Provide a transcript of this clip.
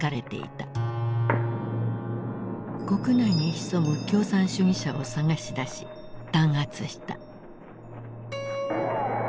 国内に潜む共産主義者を探しだし弾圧した。